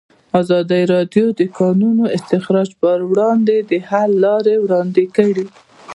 ازادي راډیو د د کانونو استخراج پر وړاندې د حل لارې وړاندې کړي.